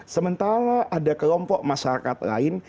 sementara ada kelompok masyarakat lain